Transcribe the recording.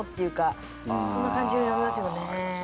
そんな感じがありますよね